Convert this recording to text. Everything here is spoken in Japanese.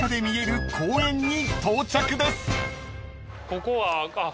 ここは。